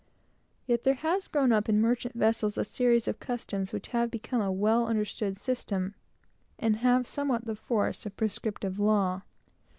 Yet there has grown up in merchant vessels a series of customs, which have become a well understood system, and have almost the force of prescriptive law.